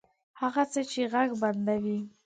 هغه څه چې ږغ بندوي